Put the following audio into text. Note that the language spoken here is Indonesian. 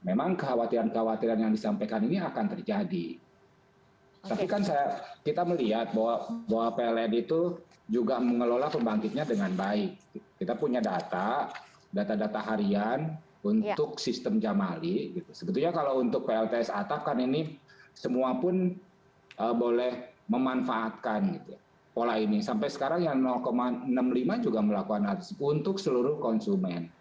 memang kekhawatiran kekhawatiran yang disampaikan ini akan terjadi tapi kan kita melihat bahwa pln itu juga mengelola pembangunan dengan baik kita punya data data data harian untuk sistem jamali sebetulnya kalau untuk plts atap kan ini semua pun boleh memanfaatkan pola ini sampai sekarang yang enam puluh lima juga melakukan untuk seluruh konsumen